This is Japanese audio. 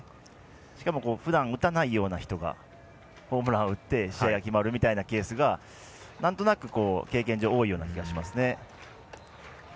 しかもふだん打たないような人がホームラン打って試合が決まるというケースがなんとなく、経験上多いような気がしますね。